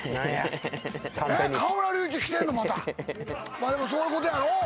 まあでもそういうことやろ？